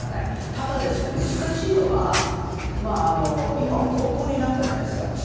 ただ、難しいのは今、国王になったじゃないですか。